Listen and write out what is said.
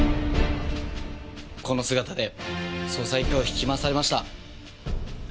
この姿で捜査一課を引き回されました。